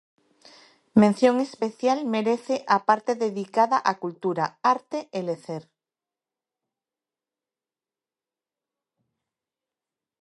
Mención especial merece a parte dedicada á cultura, arte e lecer.